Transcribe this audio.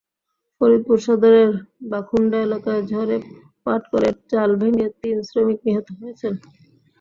ফরিদপুর সদরের বাখুন্ডা এলাকায় ঝড়ে পাটকলের চাল ভেঙে তিন শ্রমিক নিহত হয়েছেন।